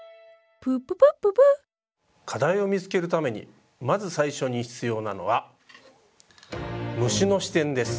プププッププッ課題を見つけるためにまず最初に必要なのは「虫の視点」です。